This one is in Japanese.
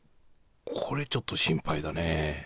これちょっと心配だね。